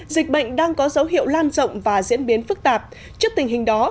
dịch bệnh đang có dấu hiệu lan rộng và diễn biến phức tạp trước tình hình đó